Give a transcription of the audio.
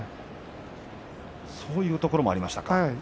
そういうところがありましたか。